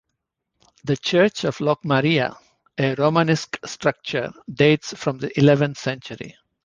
The Church of Locmaria, a Romanesque structure, dates from the eleventh century.